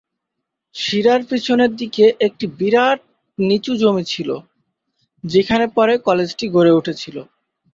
শিরার পিছনের দিকে একটি বিরাট নিচু জমি ছিল, যেখানে পরে কলেজটি গড়ে উঠেছিল।